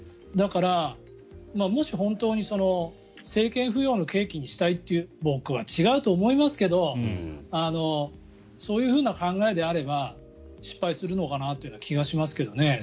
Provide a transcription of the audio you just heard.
だから、もし本当に政権浮揚の契機にしたいという僕は違うと思いますけどそういうふうな考えであれば失敗するのかなって気がしますけどね。